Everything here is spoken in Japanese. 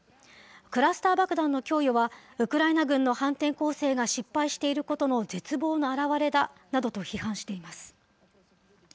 クラスター爆弾の供与は、ウクライナ軍の反転攻勢が失敗していることの絶望の表れだなどと批判しています。